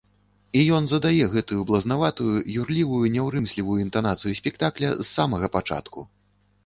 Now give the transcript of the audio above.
І ён задае гэтую блазнаватую, юрлівую, няўрымслівую інтанацыю спектакля з самага пачатку.